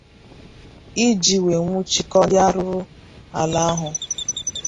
iji wee nwụchikọọ ndị arụrụ ala ahụ.